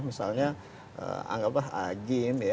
misalnya anggaplah agim ya